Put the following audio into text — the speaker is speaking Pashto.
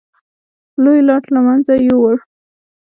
لوی لاټ له منځه یووړ.